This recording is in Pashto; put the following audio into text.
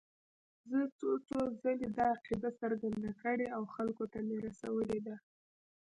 زه څو څو ځله دا عقیده څرګنده کړې او خلکو ته مې رسولې ده.